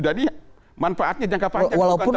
jadi manfaatnya jangka panjang